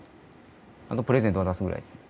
あとプレゼント渡すぐらいっすね。